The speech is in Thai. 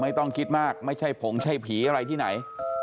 ไม่ต้องคิดมากไม่ใช่ผงใช่ผีอะไรที่ไหน